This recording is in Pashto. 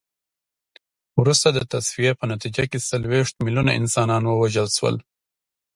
وروسته د تصفیې په نتیجه کې څلوېښت میلیونه انسانان ووژل شول.